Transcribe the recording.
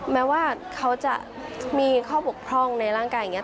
แม้ว่าเขาจะมีข้อบกพร่องในร่างกายอย่างนี้